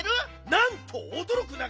なんとおどろくなかれ。